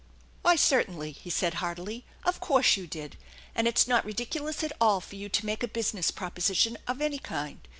" Why, certainly," he said heartily. " Of course you did. And it's not ridiculous at all for you to make a business proposition of any kind.